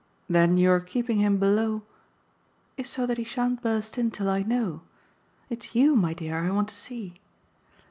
"Then your keeping him below ?" "Is so that he shan't burst in till I know. It's YOU, my dear, I want to see."